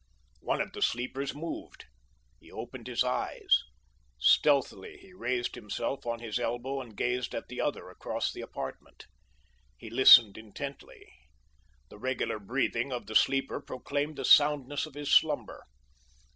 One of the sleepers moved. He opened his eyes. Stealthily he raised himself on his elbow and gazed at the other across the apartment. He listened intently. The regular breathing of the sleeper proclaimed the soundness of his slumber.